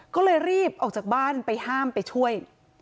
ก็เลยรีบออกจากบ้านไปห้ามไปช่วย